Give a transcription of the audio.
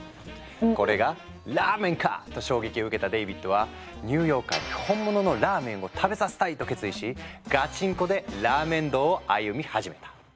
「これがラーメンか⁉」と衝撃を受けたデイビッドは「ニューヨーカーに本物のラーメンを食べさせたい！」と決意しガチンコでラーメン道を歩み始めた。